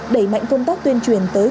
đẩy mạnh công tác tuyên truyền tới